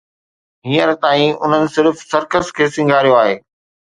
هينئر تائين انهن صرف سرڪس کي سينگاريو آهي.